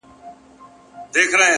لونگيه دا خبره دې سهې ده ـ